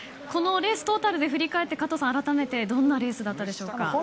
このレーストータルで振り返ってあらためてどんなレースだったでしょうか？